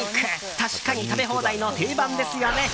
確かに食べ放題の定番ですよね。